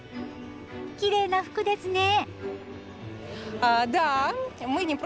きれいな服ですね！